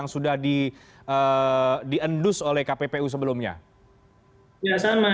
oke jadi tiga perusahaan yang ditetapkan tersangka ketiga orang ini ini perusahaannya sama dengan yang diantara kami ya